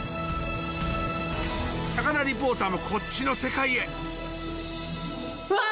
高田リポーターもこっちの世界へうわっ！